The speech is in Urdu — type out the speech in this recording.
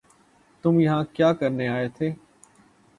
تم یہاں کیا کرنے آئے تھے